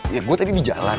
ya gue tadi di jalan